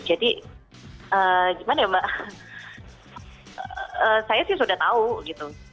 jadi gimana ya mbak saya sih sudah tahu gitu